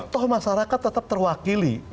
toh masyarakat tetap terwakili